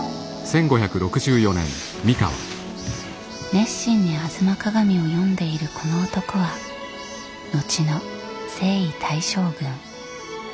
熱心に「吾妻鏡」を読んでいるこの男は後の征夷大将軍徳川家康。